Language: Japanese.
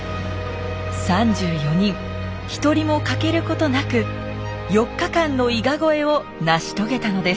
３４人一人も欠けることなく４日間の伊賀越えを成し遂げたのです